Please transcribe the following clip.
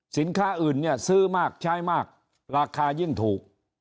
สินค้าอื่นเนี่ยซื้อมากใช้มากราคายิ่งถูก